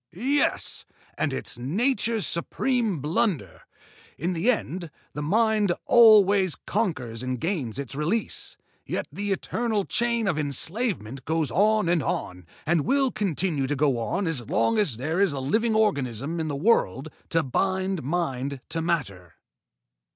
"Yes! And it's Nature's supreme blunder! In the end, the Mind always conquers and gains its release, yet the eternal chain of enslavement goes on and on, and will continue to go on as long as there is a living organism in the world to bind mind to matter."